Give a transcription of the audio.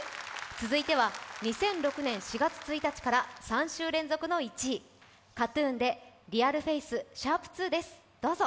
続いては２００６年４月１日から３週連続の１位ＫＡＴ−ＴＵＮで「ＲｅａｌＦａｃｅ＃２」です、どうぞ。